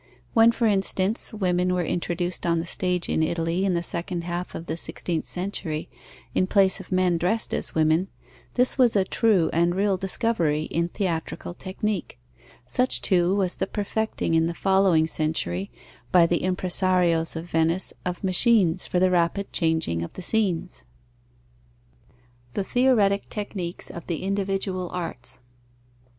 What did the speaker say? When, for instance, women were introduced on the stage in Italy in the second half of the sixteenth century, in place of men dressed as women, this was a true and real discovery in theatrical technique; such too was the perfecting in the following century by the impresarios of Venice, of machines for the rapid changing of the scenes. _The theoretic techniques of the individual arts.